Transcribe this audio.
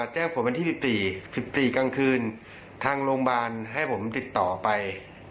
แจ้งผมวันที่สิบสี่สิบสี่กลางคืนทางโรงพยาบาลให้ผมติดต่อไป